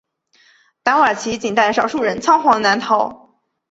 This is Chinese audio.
达瓦齐仅带少数人仓皇南逃。